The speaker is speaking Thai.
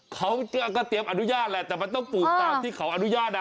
เขาก็เตรียมอนุญาตแหละแต่มันต้องปลูกตามที่เขาอนุญาตนะ